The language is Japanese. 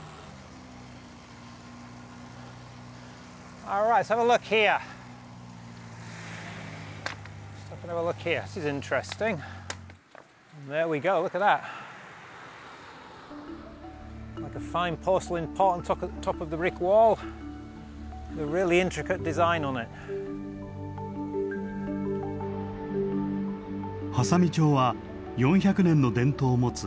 波佐見町は４００年の伝統を持つ焼き物の産地。